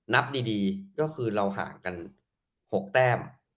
นับดีก็คือเราห่างกัน๖แต้ม